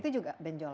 itu juga benjolan ya